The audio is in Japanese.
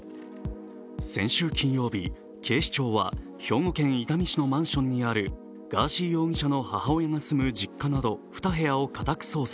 先週金曜日、警視庁は兵庫県伊丹市のマンションにあるガーシー容疑者の母親が住む実家など２部屋を家宅捜索。